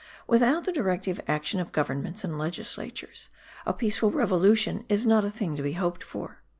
Without the directive action of governments and legislatures a peaceful revolution is a thing not to be hoped for.